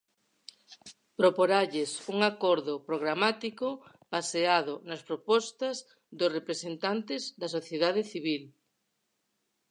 Proporalles un acordo programático baseado nas propostas dos representantes da sociedade civil.